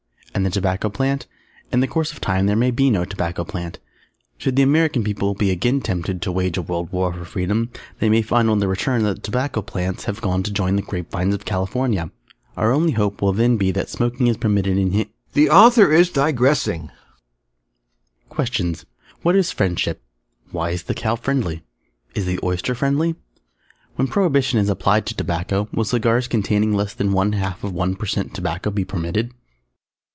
And the Tobacco Plant? In the course of time there may be no Tobacco Plant. Should the American People be again tempted to wage a World War for Freedom, they may find on their return that the Tobacco Plants have gone to join the Grape Vines of California! Our only hope will then be that smoking is permitted in Hea The Author is digressing. The Reader. QUESTIONS What is "Friendship"? Why is the Cow "friendly"? Is the Oyster friendly? _When Prohibition is applied to tobacco will cigars containing less than one half of one per cent tobacco be permitted?